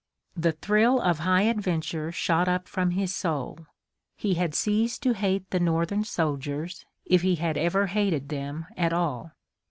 The thrill of high adventure shot up from his soul. He had ceased to hate the Northern soldiers, if he had ever hated them at all.